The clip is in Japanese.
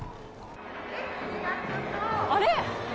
あれ？